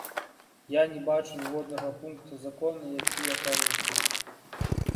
Я не бачу ніводнага пункта закона, які я парушыў.